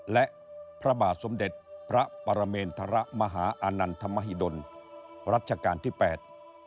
และพระบาทสมเด็จพระปรเมนทรมหาอานันทมหิดลรัชกาลที่แปด